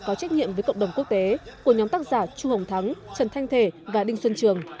có trách nhiệm với cộng đồng quốc tế của nhóm tác giả chu hồng thắng trần thanh thể và đinh xuân trường